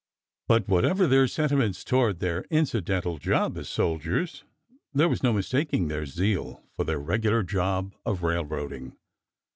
But, whatever their sentiments toward their incidental job as soldiers, there was no mistaking their zest for their regular job of railroading.